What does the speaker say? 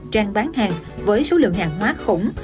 trang bán hàng với số lượng hàng hóa khủng